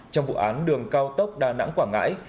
trong vụ án đường cao tốc đà nẵng quảng ngãi